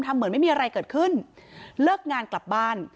เหมือนไม่มีอะไรเกิดขึ้นเลิกงานกลับบ้าน